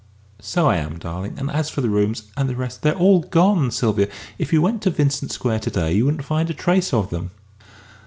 "So I am, darling. And as for my rooms, and and the rest, they're all gone, Sylvia. If you went to Vincent Square to day, you wouldn't find a trace of them!"